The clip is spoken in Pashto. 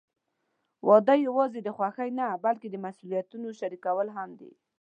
واده یوازې د خوښۍ نه، بلکې د مسوولیتونو شریکول هم دي.